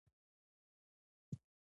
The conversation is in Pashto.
غاښونه خواړه میده کوي ترڅو هضم یې اسانه شي